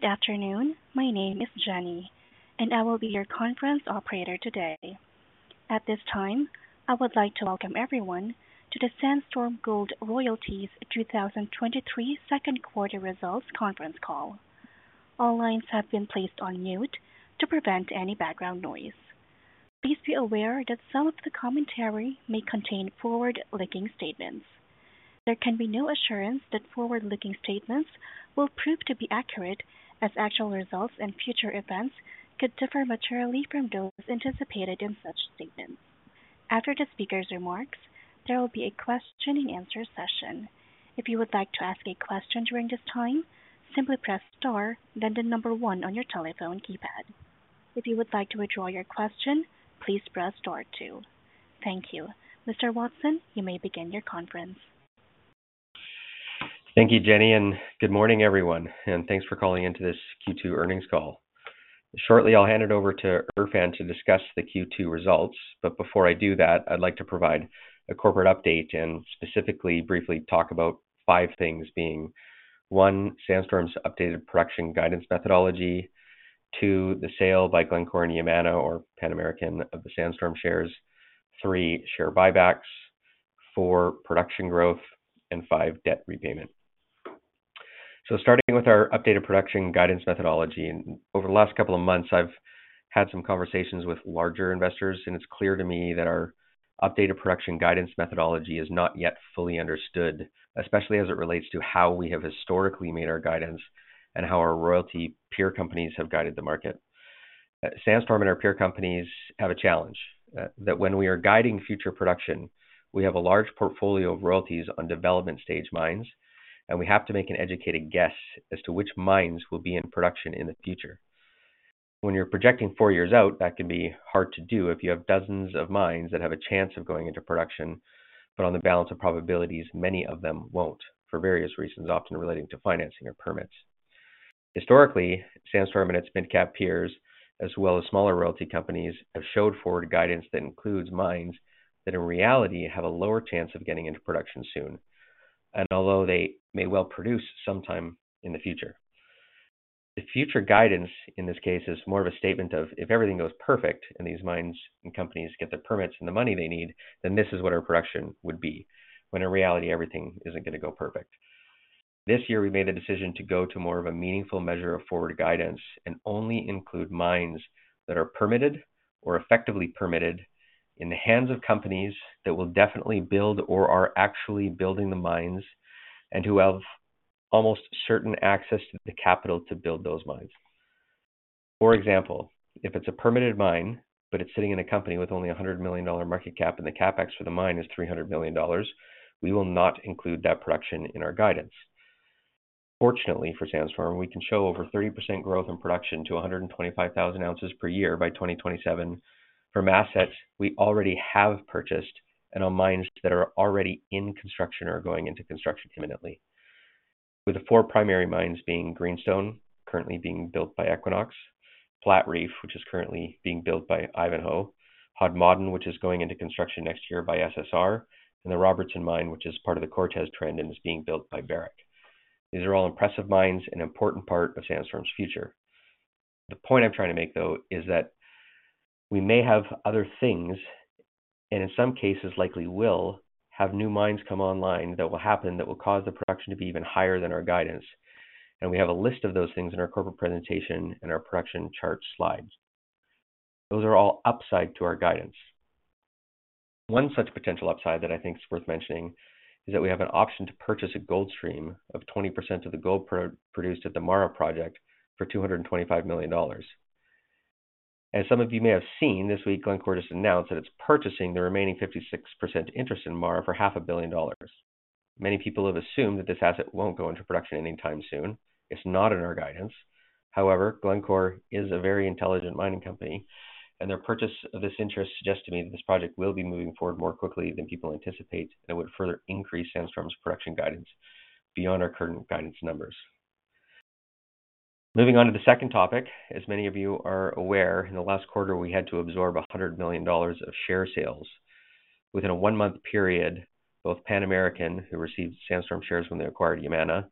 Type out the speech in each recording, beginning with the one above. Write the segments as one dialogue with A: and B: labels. A: Good afternoon. My name is Jenny. I will be your conference operator today. At this time, I would like to welcome everyone to the Sandstorm Gold Royalties 2023 second quarter results conference call. All lines have been placed on mute to prevent any background noise. Please be aware that some of the commentary may contain forward-looking statements. There can be no assurance that forward-looking statements will prove to be accurate, as actual results and future events could differ materially from those anticipated in such statements. After the speaker's remarks, there will be a question and answer session. If you would like to ask a question during this time, simply press star, then the number one on your telephone keypad. If you would like to withdraw your question, please press star two. Thank you. Mr. Watson, you may begin your conference.
B: Thank you, Jenny, good morning, everyone, and thanks for calling in to this Q2 earnings call. Shortly, I'll hand it over to Irfan to discuss the Q2 results. Before I do that, I'd like to provide a corporate update and specifically briefly talk about five things, being, one, Sandstorm's updated production guidance methodology; two, the sale by Glencore and Yamana or Pan American of the Sandstorm shares; three, share buybacks; four, production growth, and five, debt repayment. Starting with our updated production guidance methodology, over the last couple of months, I've had some conversations with larger investors, it's clear to me that our updated production guidance methodology is not yet fully understood, especially as it relates to how we have historically made our guidance and how our royalty peer companies have guided the market. Sandstorm and our peer companies have a challenge, that when we are guiding future production, we have a large portfolio of royalties on development-stage mines, and we have to make an educated guess as to which mines will be in production in the future. When you're projecting four years out, that can be hard to do if you have dozens of mines that have a chance of going into production, but on the balance of probabilities, many of them won't, for various reasons, often relating to financing or permits. Historically, Sandstorm and its mid-cap peers, as well as smaller royalty companies, have showed forward guidance that includes mines that in reality have a lower chance of getting into production soon, and although they may well produce sometime in the future. The future guidance, in this case, is more of a statement of if everything goes perfect and these mines and companies get the permits and the money they need, then this is what our production would be, when in reality, everything isn't gonna go perfect. This year, we made a decision to go to more of a meaningful measure of forward guidance and only include mines that are permitted or effectively permitted in the hands of companies that will definitely build or are actually building the mines, and who have almost certain access to the capital to build those mines. For example, if it's a permitted mine, but it's sitting in a company with only a $100 million market cap, and the CapEx for the mine is $300 million, we will not include that production in our guidance. Fortunately for Sandstorm, we can show over 30% growth in production to 125,000 ounces per year by 2027 from assets we already have purchased and on mines that are already in construction or going into construction imminently. With the four primary mines being Greenstone, currently being built by Equinox, Platreef, which is currently being built by Ivanhoe, Hod Maden, which is going into construction next year by SSR, and the Robertson Mine, which is part of the Cortez Trend and is being built by Barrick. These are all impressive mines, an important part of Sandstorm's future. The point I'm trying to make, though, is that we may have other things, and in some cases, likely will, have new mines come online that will happen that will cause the production to be even higher than our guidance. We have a list of those things in our corporate presentation and our production chart slides. Those are all upside to our guidance. One such potential upside that I think is worth mentioning is that we have an option to purchase a gold stream of 20% of the gold produced at the MARA project for $225 million. Some of you may have seen, this week, Glencore just announced that it's purchasing the remaining 56% interest in MARA for $500 million. Many people have assumed that this asset won't go into production anytime soon. It's not in our guidance. Glencore is a very intelligent mining company, and their purchase of this interest suggests to me that this project will be moving forward more quickly than people anticipate and would further increase Sandstorm's production guidance beyond our current guidance numbers. Moving on to the second topic, as many of you are aware, in the last quarter, we had to absorb $100 million of share sales. Within a one-month period, both Pan American, who received Sandstorm shares when they acquired Yamana,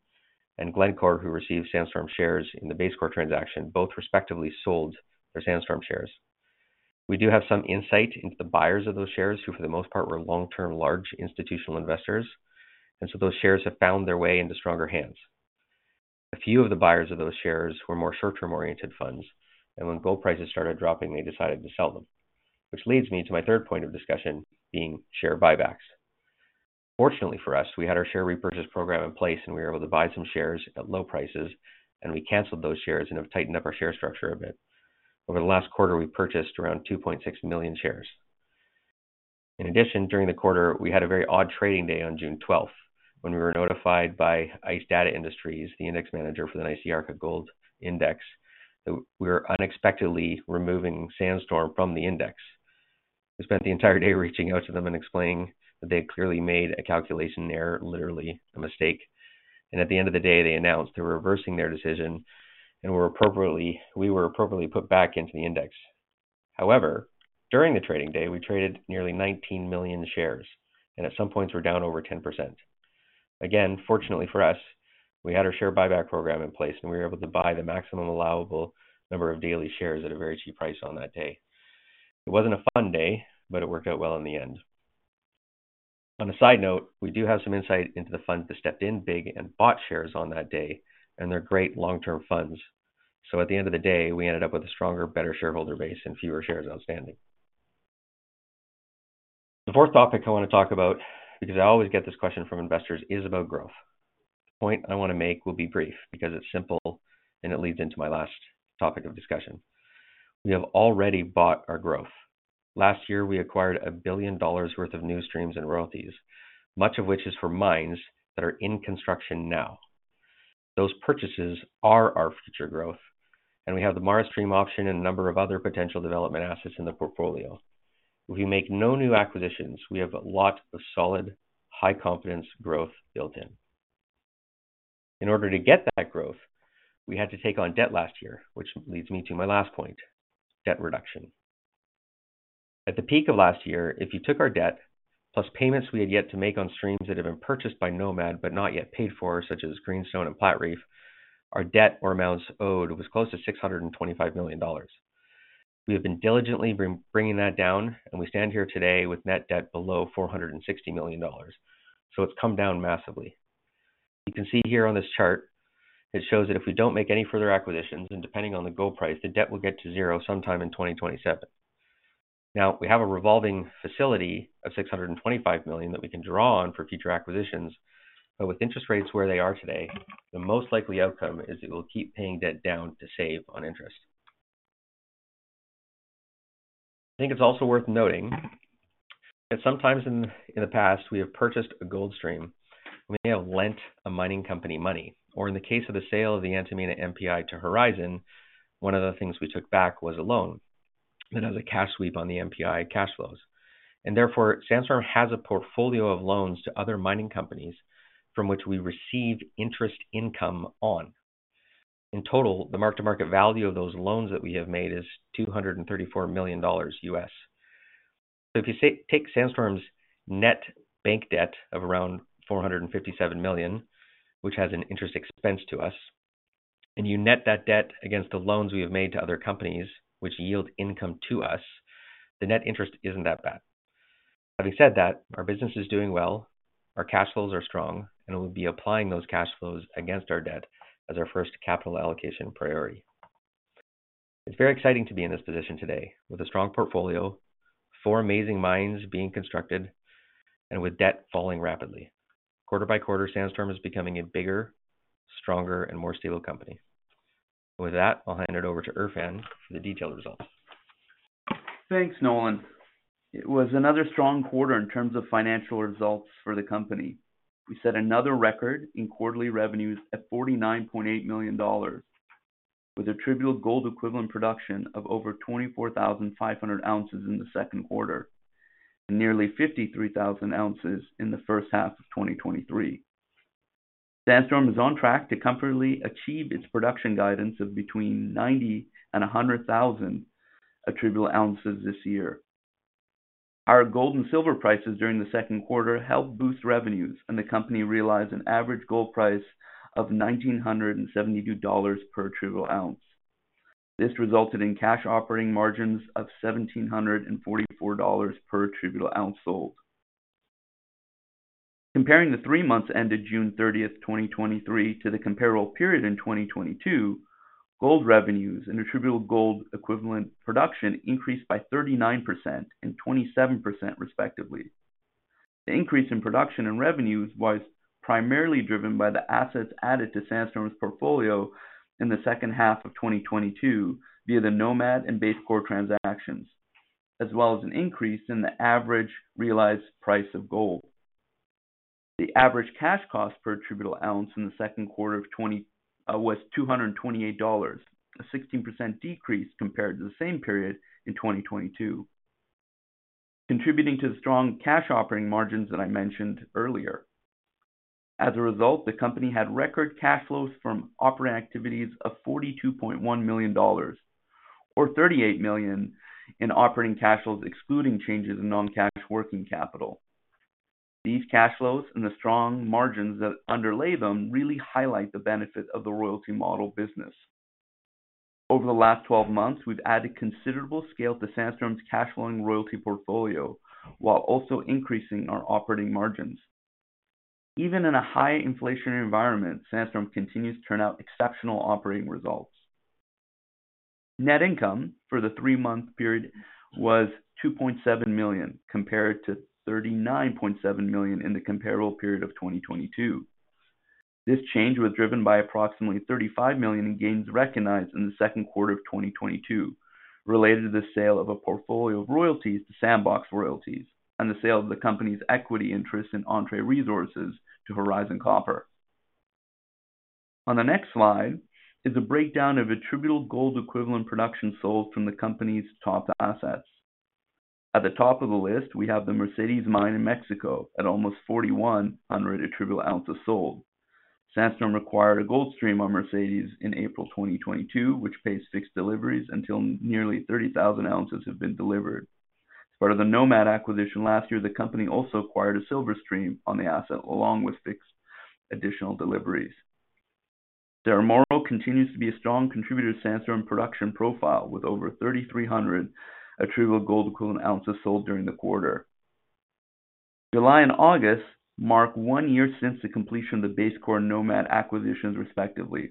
B: and Glencore, who received Sandstorm shares in the BaseCore transaction, both respectively sold their Sandstorm shares. We do have some insight into the buyers of those shares, who for the most part, were long-term, large institutional investors, and so those shares have found their way into stronger hands. A few of the buyers of those shares were more short-term-oriented funds, and when gold prices started dropping, they decided to sell them. Which leads me to my third point of discussion, being share buybacks. Fortunately for us, we had our share repurchase program in place, we were able to buy some shares at low prices, and we canceled those shares and have tightened up our share structure a bit. Over the last quarter, we purchased around 2.6 million shares. In addition, during the quarter, we had a very odd trading day on June 12th, when we were notified by ICE Data Indices, the index manager for the ICE BofA Gold Index, that we were unexpectedly removing Sandstorm from the index. We spent the entire day reaching out to them and explaining that they clearly made a calculation error, literally a mistake, at the end of the day, they announced they were reversing their decision and we were appropriately put back into the index. However, during the trading day, we traded nearly 19 million shares, and at some points were down over 10%. Again, fortunately for us, we had our share buyback program in place, and we were able to buy the maximum allowable number of daily shares at a very cheap price on that day. It wasn't a fun day, but it worked out well in the end. On a side note, we do have some insight into the funds that stepped in big and bought shares on that day, and they're great long-term funds. At the end of the day, we ended up with a stronger, better shareholder base and fewer shares outstanding. The fourth topic I want to talk about, because I always get this question from investors, is about growth. The point I want to make will be brief because it's simple and it leads into my last topic of discussion. We have already bought our growth. Last year, we acquired $1 billion worth of new streams and royalties, much of which is for mines that are in construction now. Those purchases are our future growth, and we have the MARA stream option and a number of other potential development assets in the portfolio. If we make no new acquisitions, we have a lot of solid, high-confidence growth built in. In order to get that growth, we had to take on debt last year, which leads me to my last point, debt reduction. At the peak of last year, if you took our debt, plus payments we had yet to make on streams that had been purchased by Nomad but not yet paid for, such as Greenstone and Platreef, our debt or amounts owed was close to $625 million. We have been diligently bringing that down, and we stand here today with net debt below $460 million. It's come down massively. You can see here on this chart, it shows that if we don't make any further acquisitions, and depending on the gold price, the debt will get to zero sometime in 2027. We have a revolving facility of $625 million that we can draw on for future acquisitions, but with interest rates where they are today, the most likely outcome is that we'll keep paying debt down to save on interest. I think it's also worth noting that sometimes in the past, we have purchased a gold stream, and we have lent a mining company money. In the case of the sale of the Antamina NPI to Horizon, one of the things we took back was a loan that has a cash sweep on the NPI cash flows. Therefore, Sandstorm has a portfolio of loans to other mining companies from which we receive interest income on. In total, the mark-to-market value of those loans that we have made is $234 million. If you take Sandstorm's net bank debt of around $457 million, which has an interest expense to us, and you net that debt against the loans we have made to other companies, which yield income to us, the net interest isn't that bad. Having said that, our business is doing well, our cash flows are strong, and we'll be applying those cash flows against our debt as our first capital allocation priority. It's very exciting to be in this position today with a strong portfolio, four amazing mines being constructed, and with debt falling rapidly. Quarter by quarter, Sandstorm is becoming a bigger, stronger, and more stable company. With that, I'll hand it over to Erfan for the detailed results.
C: Thanks, Nolan. It was another strong quarter in terms of financial results for the company. We set another record in quarterly revenues at $49.8 million, with attributable gold equivalent production of over 24,500 ounces in the second quarter, and nearly 53,000 ounces in the first half of 2023. Sandstorm is on track to comfortably achieve its production guidance of between 90,000 and 100,000 attributable ounces this year. Our gold and silver prices during the second quarter helped boost revenues, the company realized an average gold price of $1,972 per attributable ounce. This resulted in cash operating margins of $1,744 per attributable ounce sold. Comparing the three months ended June 30th, 2023, to the comparable period in 2022, gold revenues and attributable gold equivalent production increased by 39% and 27%, respectively. The increase in production and revenues was primarily driven by the assets added to Sandstorm's portfolio in the second half of 2022 via the Nomad and BaseCore transactions, as well as an increase in the average realized price of gold. The average cash cost per attributable ounce in the second quarter of 2022 was $228, a 16% decrease compared to the same period in 2022, contributing to the strong cash operating margins that I mentioned earlier. As a result, the company had record cash flows from operating activities of $42.1 million or $38 million in operating cash flows, excluding changes in non-cash working capital. These cash flows and the strong margins that underlay them really highlight the benefit of the royalty model business. Over the last 12 months, we've added considerable scale to Sandstorm's cash flowing royalty portfolio, while also increasing our operating margins. Even in a high inflationary environment, Sandstorm continues to turn out exceptional operating results. Net income for the three-month period was $2.7 million, compared to $39.7 million in the comparable period of 2022. This change was driven by approximately $35 million in gains recognized in the 2Q 2022, related to the sale of a portfolio of royalties to Sandbox Royalties, and the sale of the company's equity interest in Entrée Resources to Horizon Copper. On the next slide is a breakdown of attributable gold equivalent production sold from the company's top assets. At the top of the list, we have the Mercedes Mine in Mexico at almost 4,100 attributable ounces sold. Sandstorm acquired a gold stream on Mercedes in April 2022, which pays fixed deliveries until nearly 30,000 ounces have been delivered. As part of the Nomad acquisition last year, the company also acquired a silver stream on the asset, along with fixed additional deliveries. Cerro Moro continues to be a strong contributor to Sandstorm production profile, with over 3,300 attributable gold equivalent ounces sold during the quarter. July and August mark one year since the completion of the BaseCore Nomad acquisitions, respectively.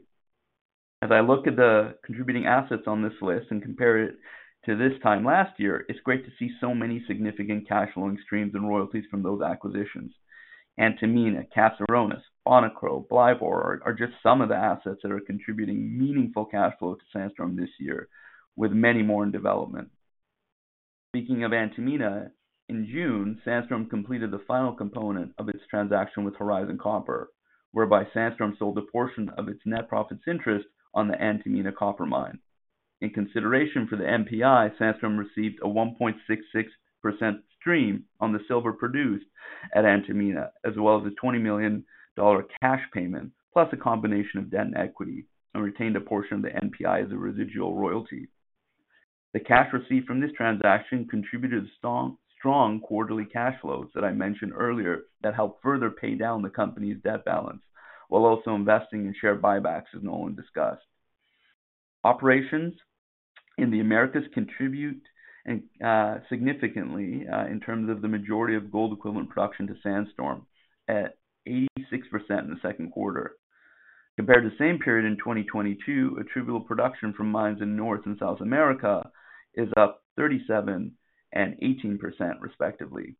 C: As I look at the contributing assets on this list and compare it to this time last year, it's great to see so many significant cash flowing streams and royalties from those acquisitions. Antamina, Caserones, Bonikro, Blyvoor are just some of the assets that are contributing meaningful cash flow to Sandstorm this year, with many more in development. Speaking of Antamina, in June, Sandstorm completed the final component of its transaction with Horizon Copper, whereby Sandstorm sold a portion of its net profits interest on the Antamina copper mine. In consideration for the NPI, Sandstorm received a 1.66% stream on the silver produced at Antamina, as well as a $20 million cash payment, plus a combination of debt and equity, and retained a portion of the NPI as a residual royalty. The cash received from this transaction contributed strong, strong quarterly cash flows that I mentioned earlier, that helped further pay down the company's debt balance, while also investing in share buybacks, as Nolan discussed. Operations in the Americas contribute significantly in terms of the majority of gold equivalent production to Sandstorm, at 86% in the second quarter. Compared to the same period in 2022, attributable production from mines in North and South America is up 37% and 18%, respectively.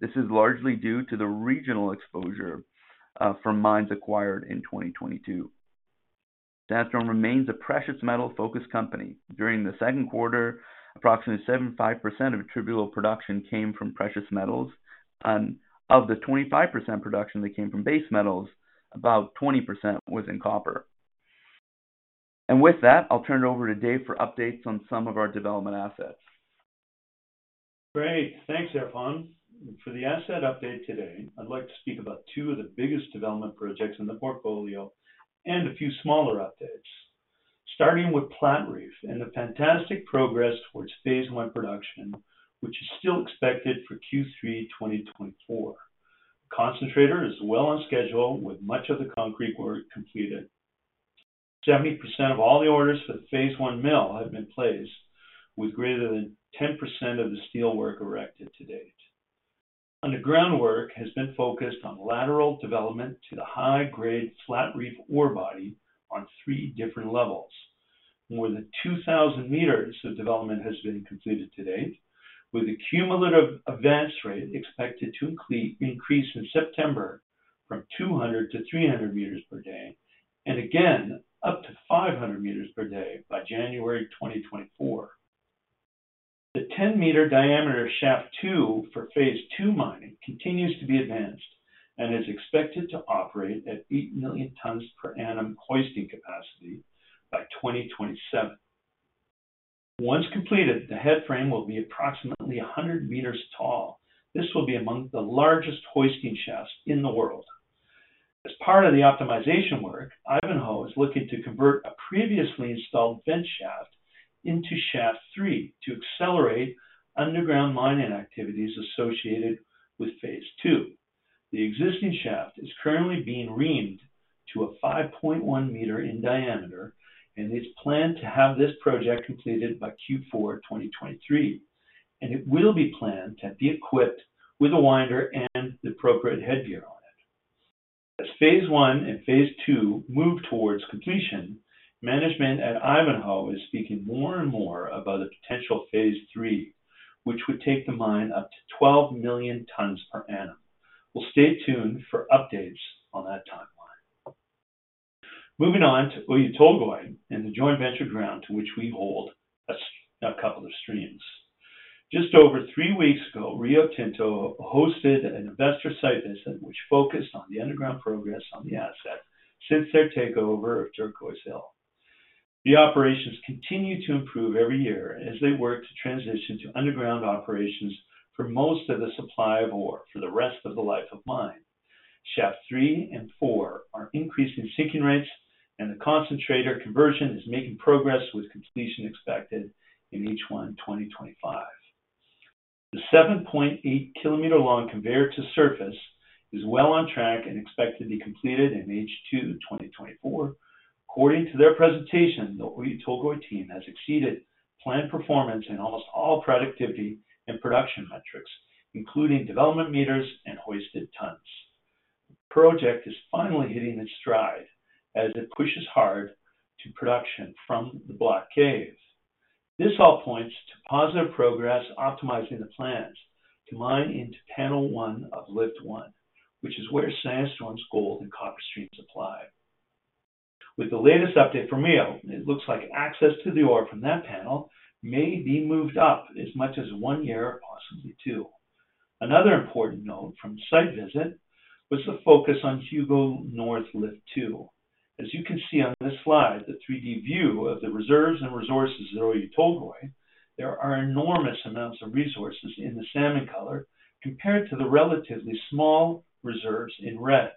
C: This is largely due to the regional exposure from mines acquired in 2022. Sandstorm remains a precious metal-focused company. During the second quarter, approximately 75% of attributable production came from precious metals, and of the 25% production that came from base metals, about 20% was in copper. With that, I'll turn it over to Dave for updates on some of our development assets.
D: Great. Thanks, Irfan. For the asset update today, I'd like to speak about two of the biggest development projects in the portfolio and a few smaller updates. Starting with Platreef and the fantastic progress towards phase one production, which is still expected for Q3 2024. Concentrator is well on schedule, with much of the concrete work completed. 70% of all the orders for the phase one mill have been placed, with greater than 10% of the steelwork erected to date. Underground work has been focused on lateral development to the high-grade Platreef ore body on three different levels. More than 2,000 meters of development has been completed to date, with a cumulative advance rate expected to increase in September from 200 to 300 meters per day, and again, up to 500 meters per day by January 2024. The 10-meter diameter shaft two for phase 2 mining continues to be advanced and is expected to operate at 8 million tons per annum hoisting capacity by 2027. Once completed, the headframe will be approximately 100 meters tall. This will be among the largest hoisting shafts in the world. As part of the optimization work, Ivanhoe is looking to convert a previously installed vent shaft into shaft 3 to accelerate underground mining activities associated with phase 2. The existing shaft is currently being reamed to a 5.1 meter in diameter, and it's planned to have this project completed by Q4 2023, and it will be planned to be equipped with a winder and the appropriate headgear on it. As phase one and phase two move towards completion, management at Ivanhoe is speaking more and more about a potential phase three, which would take the mine up to 12 million tons per annum. We'll stay tuned for updates on that timeline. Moving on to Oyu Tolgoi and the joint venture ground to which we hold a couple of streams. Just over three weeks ago, Rio Tinto hosted an investor site visit, which focused on the underground progress on the asset since their takeover of Turquoise Hill. The operations continue to improve every year as they work to transition to underground operations for most of the supply of ore for the rest of the life of mine. Shaft 3 and 4 are increasing sinking rates, and the concentrator conversion is making progress, with completion expected in H1, 2025. The 7.8-kilometer long conveyor to surface is well on track and expected to be completed in H2 2024. According to their presentation, the Oyu Tolgoi team has exceeded planned performance in almost all productivity and production metrics, including development meters and hoisted tons. The project is finally hitting its stride as it pushes hard to production from the block cave. This all points to positive progress, optimizing the plans to mine into Panel 1 of Lift 1, which is where Sandstorm's gold and copper streams apply. With the latest update from Rio, it looks like access to the ore from that panel may be moved up as much as one year, possibly two....Another important note from site visit was the focus on Hugo North Lift 2. As you can see on this slide, the 3D view of the reserves and resources at Oyu Tolgoi, there are enormous amounts of resources in the salmon color compared to the relatively small reserves in red.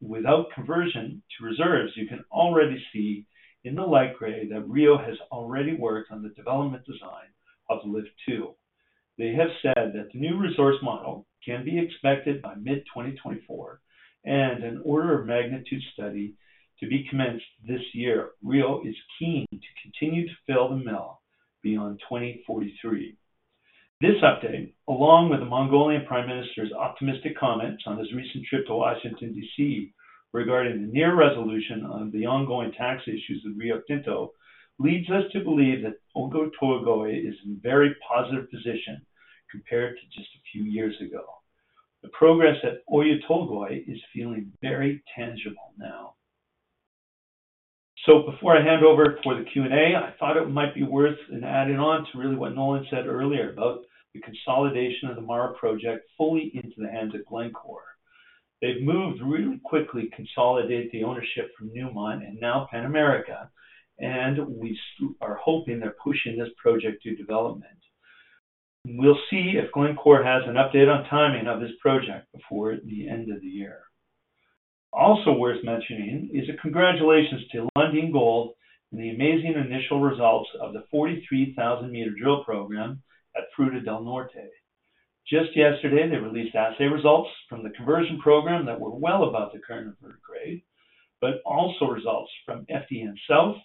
D: Without conversion to reserves, you can already see in the light gray that Rio has already worked on the development design of Lift 2. They have said that the new resource model can be expected by mid-2024 and an order of magnitude study to be commenced this year. Rio is keen to continue to fill the mill beyond 2043. This update, along with the Mongolian Prime Minister's optimistic comments on his recent trip to Washington, D.C., regarding the near resolution on the ongoing tax issues with Rio Tinto, leads us to believe that Oyu Tolgoi is in very positive position compared to just a few years ago. The progress at Oyu Tolgoi is feeling very tangible now. Before I hand over for the Q&A, I thought it might be worth adding on to really what Nolan said earlier about the consolidation of the MARA project fully into the hands of Glencore. They've moved really quickly to consolidate the ownership from Newmont and now Pan American, we are hoping they're pushing this project to development. We'll see if Glencore has an update on timing of this project before the end of the year. Worth mentioning is a congratulations to Lundin Gold and the amazing initial results of the 43,000 meter drill program at Fruta del Norte. Just yesterday, they released assay results from the conversion program that were well above the current grade, also results from FDN South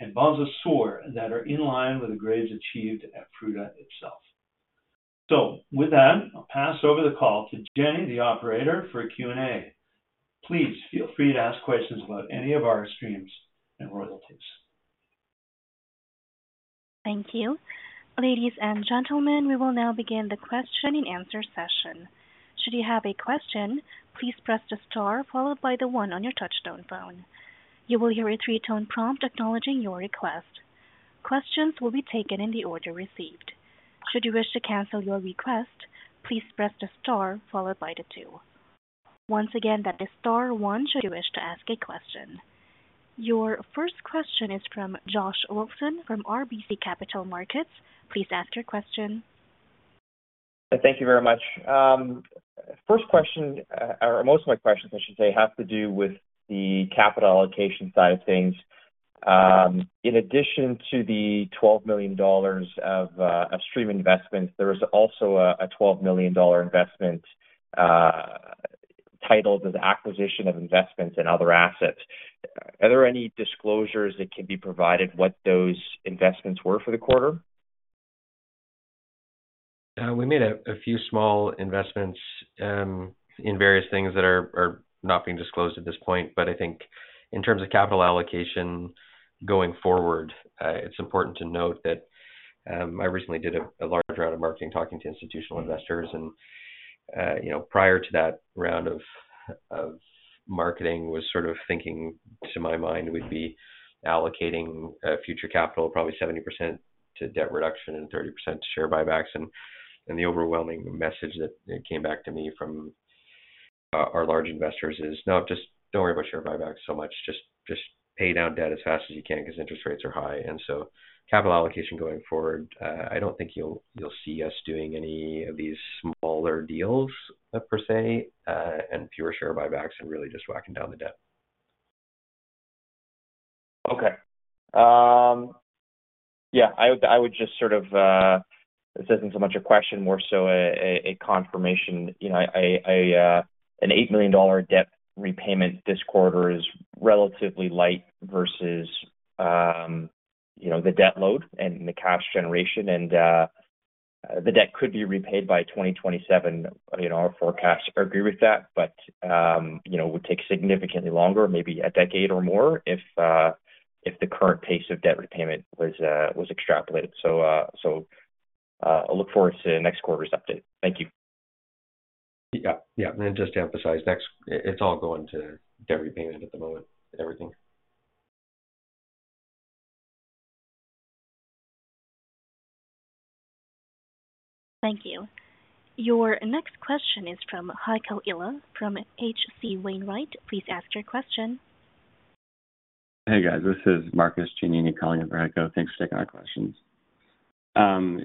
D: and Bonza Sur that are in line with the grades achieved at Fruta itself. With that, I'll pass over the call to Jenny, the operator, for Q&A. Please feel free to ask questions about any of our streams and royalties.
A: Thank you. Ladies and gentlemen, we will now begin the question-and-answer session. Should you have a question, please press the star followed by the one on your touchtone phone. You will hear a three-tone prompt acknowledging your request. Questions will be taken in the order received. Should you wish to cancel your request, please press the star followed by the two. Once again, that is star 1, should you wish to ask a question. Your first question is from Josh Wilson from RBC Capital Markets. Please ask your question.
E: Thank you very much. First question, or most of my questions, I should say, have to do with the capital allocation side of things. In addition to the $12 million of stream investments, there is also a $12 million investment, titled as Acquisition of Investments in Other Assets. Are there any disclosures that can be provided, what those investments were for the quarter?
B: We made a, a few small investments in various things that are, are not being disclosed at this point, but I think in terms of capital allocation going forward, it's important to note that I recently did a, a large round of marketing, talking to institutional investors. You know, prior to that round of, of marketing, was sort of thinking, to my mind, we'd be allocating future capital, probably 70% to debt reduction and 30% to share buybacks. The overwhelming message that came back to me from our large investors is: "No, just don't worry about share buybacks so much. Just, just pay down debt as fast as you can because interest rates are high. Capital allocation going forward, I don't think you'll, you'll see us doing any of these smaller deals per se, and fewer share buybacks and really just whacking down the debt.
E: Okay. Yeah, I would, I would just sort of... This isn't so much a question, more so a, a, a confirmation. You know, a, a, an $8 million debt repayment this quarter is relatively light versus, you know, the debt load and the cash generation, and the debt could be repaid by 2027. You know, our forecasts agree with that, but, you know, it would take significantly longer, maybe a decade or more, if the current pace of debt repayment was extrapolated. I'll look forward to next quarter's update. Thank you.
B: Yeah. Yeah, just to emphasize, next, it's all going to debt repayment at the moment, everything.
A: Thank you. Your next question is from Heiko Ihle, from H.C. Wainwright. Please ask your question.
F: Hey, guys, this is Marcus Giannini calling in for Heiko Ihle. Thanks for taking our questions.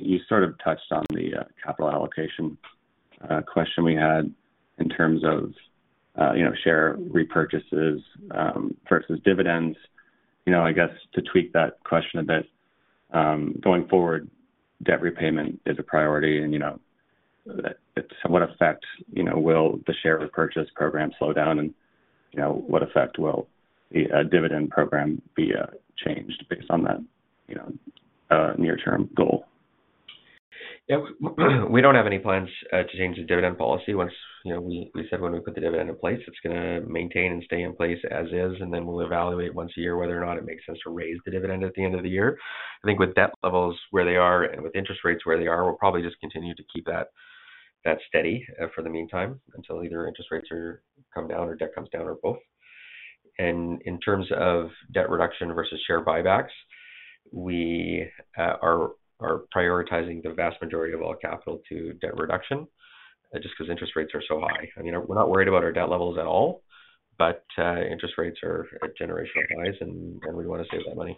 F: You sort of touched on the capital allocation question we had in terms of, you know, share repurchases versus dividends. You know, I guess to tweak that question a bit, going forward, debt repayment is a priority and, you know, what effect, you know, will the share repurchase program slow down? You know, what effect will the dividend program be changed based on that, you know, near-term goal?
B: Yeah, we don't have any plans to change the dividend policy once, you know, we, we said when we put the dividend in place, it's gonna maintain and stay in place as is, then we'll evaluate once a year whether or not it makes sense to raise the dividend at the end of the year. I think with debt levels where they are and with interest rates where they are, we'll probably just continue to keep that, that steady for the meantime, until either interest rates come down or debt comes down, or both. In terms of debt reduction versus share buybacks, we are prioritizing the vast majority of all capital to debt reduction just because interest rates are so high. I mean, we're not worried about our debt levels at all, but interest rates are at generational highs, and we want to save that money.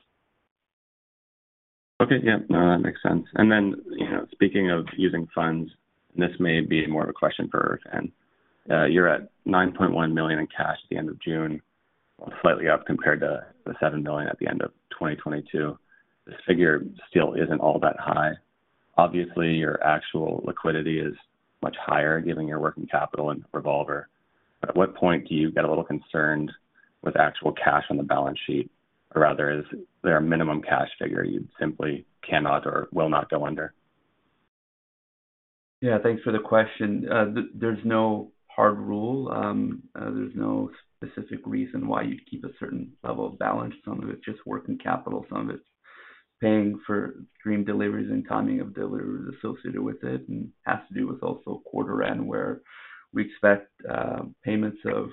F: Okay, yeah. No, that makes sense. Then, you know, speaking of using funds, this may be more of a question for Erfan, you're at $9.1 million in cash at the end of June, slightly up compared to the $7 million at the end of 2022. This figure still isn't all that high. Obviously, your actual liquidity is much higher, given your working capital and revolver. At what point do you get a little concerned with actual cash on the balance sheet? Or rather, is there a minimum cash figure you simply cannot or will not go under?
C: Yeah, thanks for the question. There's no hard rule. There's no specific reason why you'd keep a certain level of balance. Some of it's just working capital, some of it's paying for stream deliveries and timing of deliveries associated with it, and has to do with also quarter end, where we expect payments of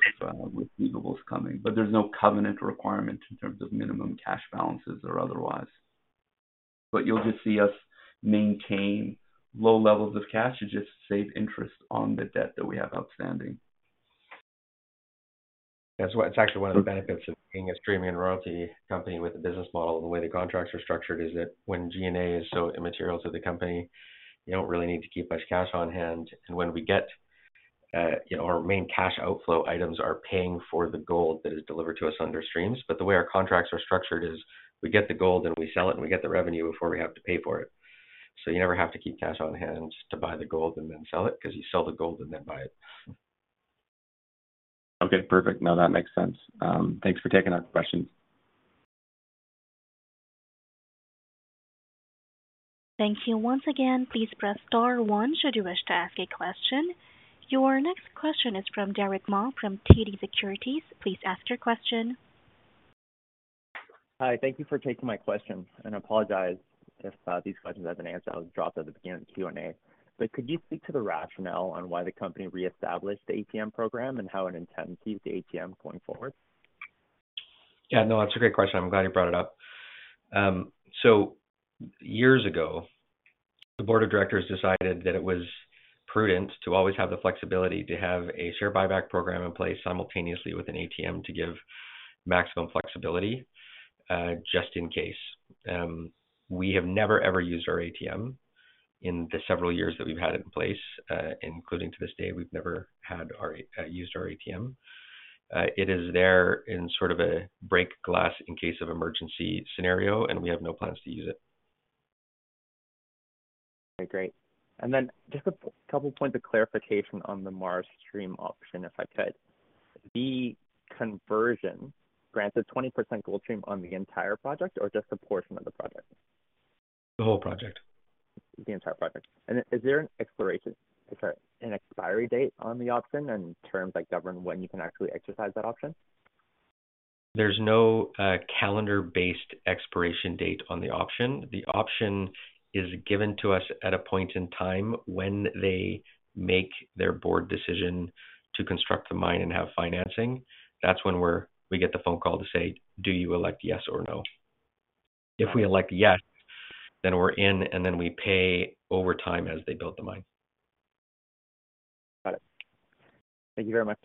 C: with receivables coming. There's no covenant requirement in terms of minimum cash balances or otherwise. You'll just see us maintain low levels of cash to just save interest on the debt that we have outstanding.
B: That's why it's actually one of the benefits of being a streaming and royalty company with a business model. The way the contracts are structured is that when G&A is so immaterial to the company, you don't really need to keep much cash on hand. When we get, you know, our main cash outflow items are paying for the gold that is delivered to us under streams. The way our contracts are structured is we get the gold, and we sell it, and we get the revenue before we have to pay for it. You never have to keep cash on hand to buy the gold and then sell it, because you sell the gold and then buy it.
F: Okay, perfect. That makes sense. Thanks for taking our questions.
A: Thank you. Once again, please press star one should you wish to ask a question. Your next question is from Derick Ma, from TD Securities. Please ask your question.
G: Hi, thank you for taking my question, and I apologize if, these questions have been answered or dropped at the beginning of the Q&A. But could you speak to the rationale on why the company reestablished the ATM program and how it intends to use the ATM going forward?
B: Yeah, no, that's a great question. I'm glad you brought it up. Years ago, the board of directors decided that it was prudent to always have the flexibility to have a share buyback program in place simultaneously with an ATM to give maximum flexibility, just in case. We have never, ever used our ATM in the several years that we've had it in place, including to this day, we've never used our ATM. It is there in sort of a break glass in case of emergency scenario, and we have no plans to use it.
G: Okay, great. Then just a couple points of clarification on the MARA stream option, if I could. The conversion grants a 20% gold stream on the entire project or just a portion of the project?
B: The whole project.
G: The entire project. Then, is there an exploration. Is there an expiry date on the option and terms that govern when you can actually exercise that option?
B: There's no calendar-based expiration date on the option. The option is given to us at a point in time when they make their board decision to construct the mine and have financing. That's when we get the phone call to say, "Do you elect yes or no?" If we elect yes, then we're in, and then we pay over time as they build the mine.
G: Got it. Thank you very much.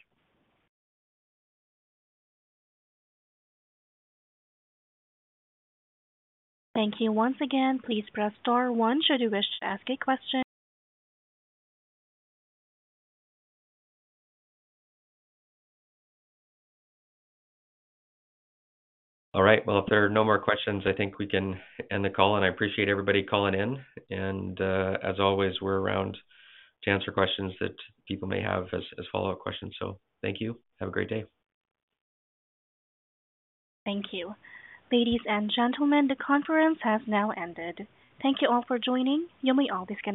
A: Thank you. Once again, please press star one should you wish to ask a question.
B: All right, well, if there are no more questions, I think we can end the call. I appreciate everybody calling in, and, as always, we're around to answer questions that people may have as, as follow-up questions. Thank you. Have a great day.
A: Thank you. Ladies and gentlemen, the conference has now ended. Thank you all for joining. You may all disconnect.